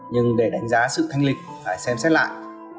nhưng để đánh giá sự thanh lịch phải xem xét lại